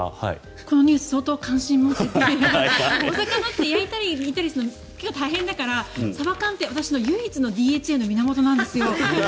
このニュース相当関心を持っていてお魚って焼いたり、煮たり結構大変だからサバ缶って私の唯一のＤＨＡの源なんですよ。